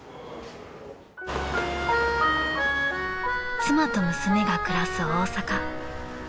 ［妻と娘が暮らす大阪］